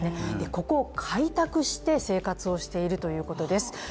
ここを開拓して生活をしているということです。